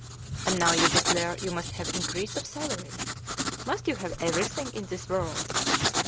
And now you declare you must have increase of salary! Must you have everything in this world?